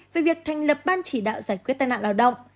về việc thành lập ban chỉ đạo giải quyết tai nạn lao động